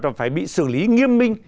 và phải bị xử lý nghiêm minh